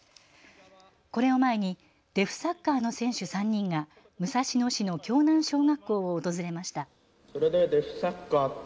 これを前にデフサッカーの選手３人が武蔵野市の境南小学校を訪れました。